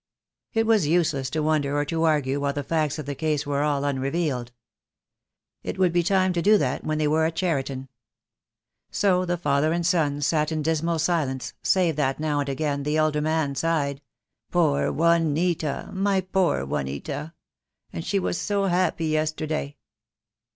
It was useless to wonder or to argue while the facts of the case were all unrevealed. It would be time to do that when they were at Cheriton. So the father and son sat in a dismal silence, save that now and again the elder man sighed "Poor Juanita, my poor Juanita; and she was so happy yesterday."